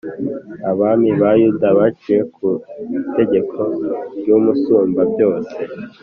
abami ba Yuda baciye ku itegeko ry’Umusumbabyose,